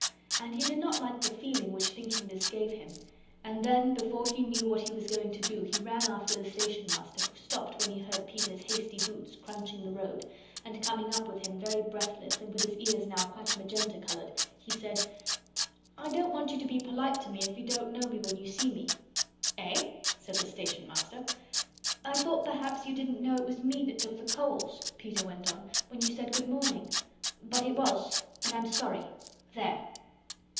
And he did not like the feeling which thinking this gave him. And then before he knew what he was going to do he ran after the Station Master, who stopped when he heard Peter's hasty boots crunching the road, and coming up with him very breathless and with his ears now quite magenta coloured, he said: "I don't want you to be polite to me if you don't know me when you see me." "Eh?" said the Station Master. "I thought perhaps you didn't know it was me that took the coals," Peter went on, "when you said 'Good morning.' But it was, and I'm sorry. There."